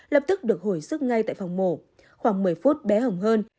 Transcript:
lập tức được hồi sức ngay tại phòng mổ khoảng một mươi phút bé hồng hơn